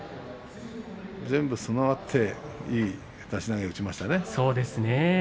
全部備わっていい出し投げを打ちましたね。